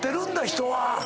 人は。